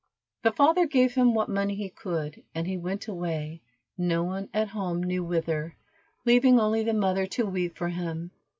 The father gave him what money he could, and he went away, no one at home knew whither, leaving only the mother to weep for him.